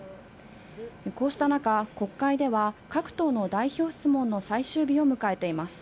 こうした中、国会では各党の代表質問の最終日を迎えています。